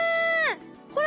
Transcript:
ほら。